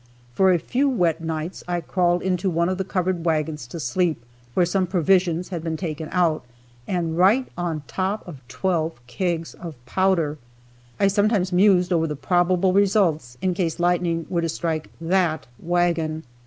For a few wet nights I crawled into one of the covered wagons to sleep, where some provisions had been taken out, and right on top of twelve kegs of powder. I sometimes mused over the probable results, in case lightning were to strike that wagon.